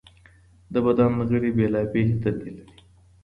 د بدن غړي بېلابېلې دندې لري.